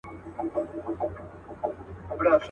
زما به پر قبر واښه وچ وي زه به تللی یمه.